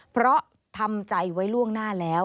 เพราะทำใจไว้ล่วงหน้าแล้ว